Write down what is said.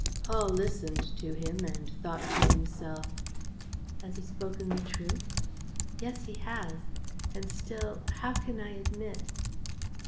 Paul listened to him and thought to himself: "Has he spoken the truth? Yes, he has; and still how can I admit